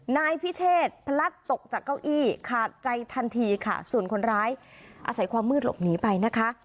นายพิเชษพลัดตกจากเก้าอี้ขาดใจทันทีค่ะส่วนคนร้ายอาศัยความมืดหลบหนีไปนะคะ